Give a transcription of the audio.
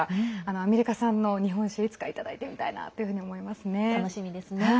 アメリカ産の日本酒もいつか、いただいてみたいなっていうふうに思いますね。